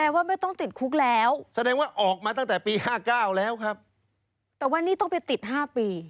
ว่าไม่ต้องติดคุกแล้วแสดงว่าออกมาตั้งแต่ปีห้าเก้าแล้วครับแต่ว่านี่ต้องไปติดห้าปี